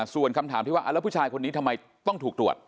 ส่วนคำถามที่ว่าแล้วผู้ชายคนนี้ทำไมต้องถูกตรวจ